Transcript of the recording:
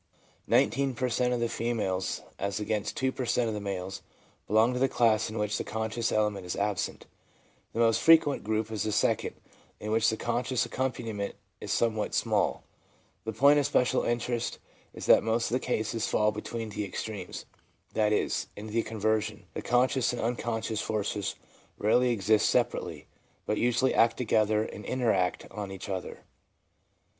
Nineteen per cent, of the females, as against 2 per cent, of males, belong to the class in which the conscious element is absent. The most frequent group is the second, in which the conscious accompaniment is somewhat small. The point of special interest is that most of the cases fall between the extremes, that is, in conversion the con scions and unconscious forces rarely exist separately ', but usually act together and interact on each other.